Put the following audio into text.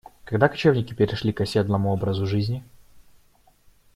Когда кочевники перешли к оседлому образу жизни?